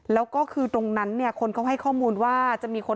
แล้วก็คือตรงนั้นเนี่ยคนเขาให้ข้อมูลว่าจะมีคน